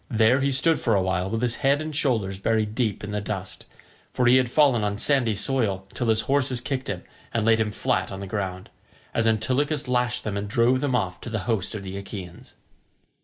There he stood for a while with his head and shoulders buried deep in the dust—for he had fallen on sandy soil till his horses kicked him and laid him flat on the ground, as Antilochus lashed them and drove them off to the host of the Achaeans.